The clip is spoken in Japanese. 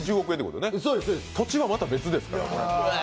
土地は、また別ですから。